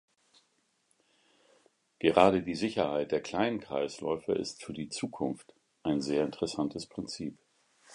Gerade die Sicherheit der kleinen Kreisläufe ist für die Zukunft ein sehr interessantes Prinzip.